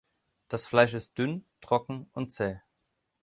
Das Fleisch ist dünn, trocken und zäh.